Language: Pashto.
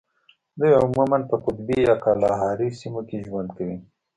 دوی عموماً په قطبي یا کالاهاري سیمو کې ژوند کوي.